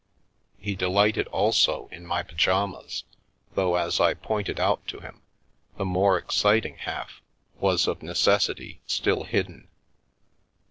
He delighted also in my pyjamas, though, as I pointed out to him, the more exciting half was of ne cessity still hidden.